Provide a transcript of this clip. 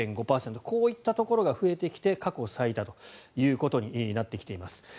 こういったところが増えてきて過去最多ということになってきています。